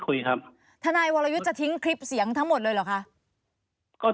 คุยครับทนายวรยุทธ์จะทิ้งคลิปเสียงทั้งหมดเลยเหรอคะก็